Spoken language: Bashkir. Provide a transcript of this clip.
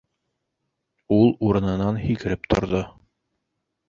Ул урынынан һикереп торҙо.